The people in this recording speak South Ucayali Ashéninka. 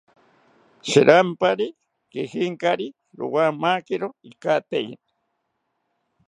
Shirampari kijinkari, rowamakiro ikateini